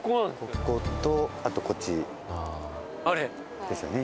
こことあとこっちあれですよね